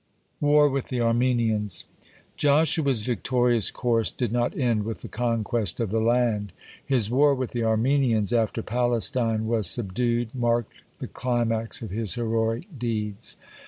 (44) WAR WITH THE ARMENIANS Joshua's victorious course did not end with the conquest of the land. His war with the Armenians, after Palestine was subdued, marked the climax of his heroic deeds.